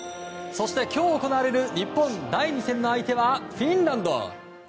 そして今日行われる日本の第２戦の相手はフィンランド。